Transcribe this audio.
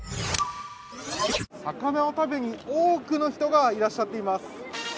魚を食べに多くの人がいらっしゃっています。